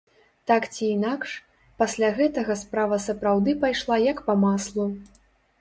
Так ці інакш, пасля гэтага справа сапраўды пайшла як па маслу.